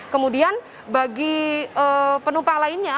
kemudian bagi penumpang lainnya